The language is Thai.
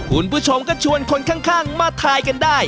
คุณผู้ชมก็ชวนคนข้างมาทายกันได้